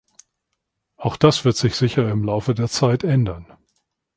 Auch das wird sich sicher im Laufe der Zeit ändern.